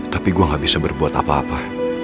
tapi gue gak bisa berbuat apa apa